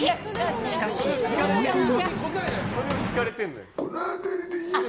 しかしその後が。